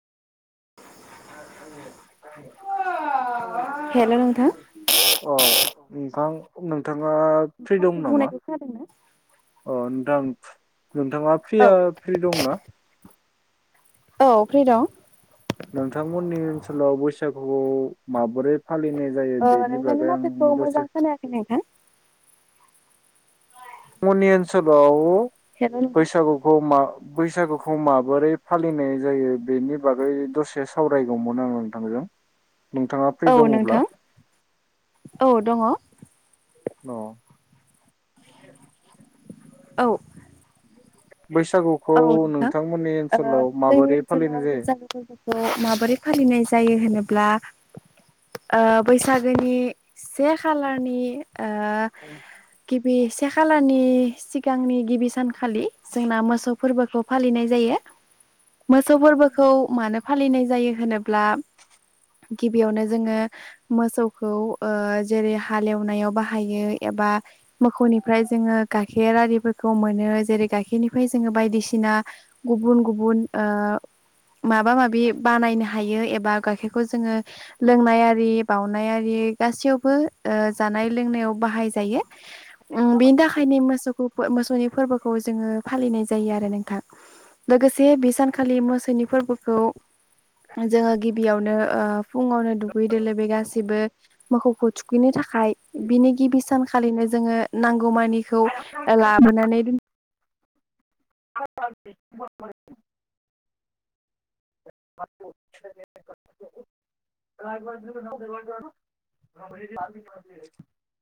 [inaudible] हेल, नोंथां। अ नोंथां नोंथाङा फ्रि दं आंनि नामा बुंनायखौ खोनादोंना ओ नोंथां? नोंथाङा औ फ्रिया फ्रि दंना? औ फ्रि दं। नोंथां मोननि ओनसोलाव बैसागुखौ माबोरै फालिनाय जायो ओ बेनि नोंथांनि बागै आं माथोखौ दसे मोजां खोनायाखै नोंथां। मनि आनसोलाव हेल' नोंथां बैसागुखौ मा बैसागुखौ माबोरै फालिनाय जायो बेनि बागै दसे सावराय गौमोन आं नोंथांजों। नोंथाङा फ्रि औ दङब्ला नोंथां औ दङ। औ। औ। बैसागुखौ औ नोंथां नोंथांमोननि ओ ओनसोलाव जोंनि माबोरै फालिनाय ओनसोलाव बैसागु फोरबोखौ माबोरै फालिनाय जायो होनोब्ला बैसागोनि ओ से खालारनि ओ गिबि खालारनि सिगांनि गिबि सानखालि जोंना मोसौ फोरबोखौ फालिनाय जायो। मोसौ फोरबोखौ मानो फालिनाय जायो होनोब्ला गिबियावनो जोङो मोसौखौ जेरै ओ हालेव नायाव बाहायो एबा मोखौ निफ्राय जोङो गाइखेर आरि फोरखौ मोनो जेरै गाइखेर निफ्राय जोङो बायदिसिना गुबुन गुबुन ओ माबा माबि बानायनो हायो एबा गाइखेरखौ जोङो लोंनाय आरि बाउनाय आरि गासै यावबो जानाय लोंनायाव बाहाय जायो। उ बिनि थाखायनो मोसौखौ बो मोसौनि फोरबोखौ जोङो फालिनाय जायो आरो नोंथां लोगोसे बे सानखालि मोसौनि फोरबोखौ जोङो गिबियावनो फुङावनो दुगै दैलोबै गासैबो मोखौ खौ थुखैनो थाखाय बिनि गिबि सानखालिनो जोङो नांगौ मानिखौ लाबोनानै दोन [inaudible] [unintelligible]